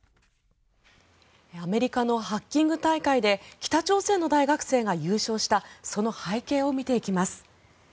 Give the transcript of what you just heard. アメリカのハッキング大会で北朝鮮の大学生が優勝したその背景を見ていきます。